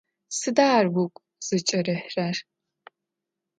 Сыда ар угу зыкӀырихьрэр?